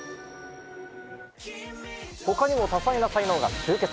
他にも多彩な才能が集結。